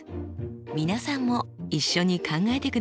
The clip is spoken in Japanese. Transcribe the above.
皆さんも一緒に考えてくださいね。